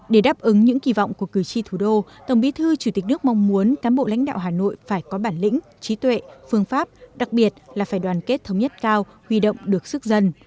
để đáp ứng những kỳ vọng của cử tri thủ đô tổng bí thư chủ tịch nước mong muốn cán bộ lãnh đạo hà nội phải có bản lĩnh trí tuệ phương pháp đặc biệt là phải đoàn kết thống nhất cao huy động được sức dân